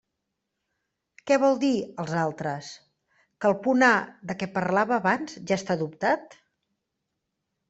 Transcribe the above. Què vol dir “els altres”?, que el punt A de què parlava abans ja està adoptat?